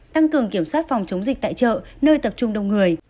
tăng cường kiểm soát phòng chống dịch tại chợ nơi tập trung đông người